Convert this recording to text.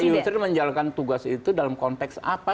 pak yusril menjalankan tugas itu dalam konteks apa